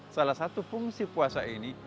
salah satu fungsi puasa ini